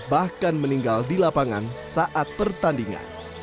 bahkan meninggal di lapangan saat pertandingan